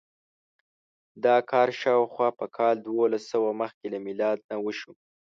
دا کار شاوخوا په کال دوولسسوه مخکې له میلاد نه وشو.